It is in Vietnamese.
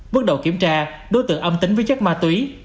bước đầu kiểm tra đối tượng âm tính với chất ma túy